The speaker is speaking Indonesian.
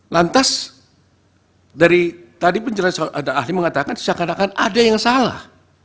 lantas dari tadi penjelasan ada ahli mengatakan seakan akan ada yang salah